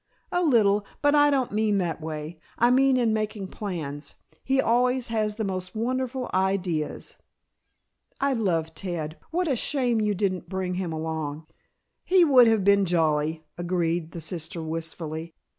"A little. But I don't mean that way. I mean in making plans. He always has the most wonderful ideas " "I'd love Ted. What a shame you didn't bring him along." "He would have been jolly," agreed the sister wistfully.